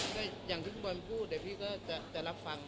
ก็อย่างที่ฟุตบอลพูดเดี๋ยวพี่ก็จะรับฟัง